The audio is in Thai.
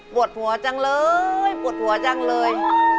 ปวดหัวจังเลยปวดหัวจังเลย